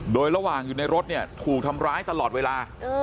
โดยระหว่างอยู่ในรถเนี่ยถูกทำร้ายตลอดเวลา